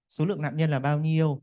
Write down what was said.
số lượng nạn nhân là bao nhiêu